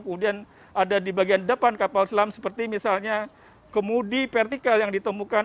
kemudian ada di bagian depan kapal selam seperti misalnya kemudi vertikal yang ditemukan